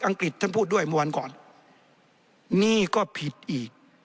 กฤษท่านพูดด้วยเมื่อวันก่อนนี่ก็ผิดอีก